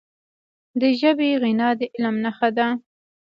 د ژبي غنا د علم نښه ده.